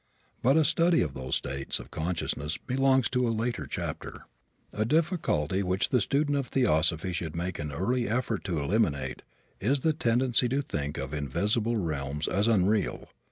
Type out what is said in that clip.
But a study of those states of consciousness belongs to a later chapter. A difficulty which the student of theosophy should make an early effort to eliminate, is the tendency to think of invisible realms as unreal.